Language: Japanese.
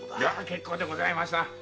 結構でございますな。